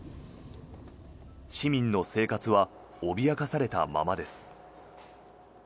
市民の生活は脅かされたままです。